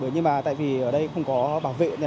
nhưng mà tại vì ở đây không có bảo vệ